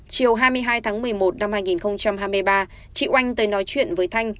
chiều hai mươi hai tháng một mươi một năm hai nghìn hai mươi ba chị oanh tới nói chuyện với thanh